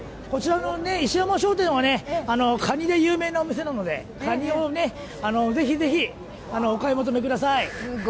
石山商店はカニで有名なお店なので、カニをぜひぜひお買い求めください。